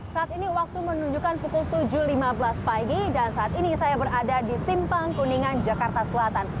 saat ini waktu menunjukkan pukul tujuh lima belas pagi dan saat ini saya berada di simpang kuningan jakarta selatan